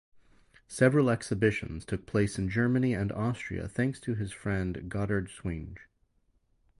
Several exhibitions took place in Germany and Austria thanks to his friend Gotthard Schwinge.